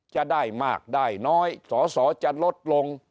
จะได้มากได้น้อยสอสอจะลดลง